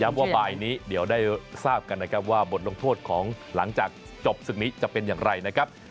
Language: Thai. ว่าบ่ายนี้เดี๋ยวได้ทราบกันนะครับว่าบทลงโทษของหลังจากจบศึกนี้จะเป็นอย่างไรนะครับ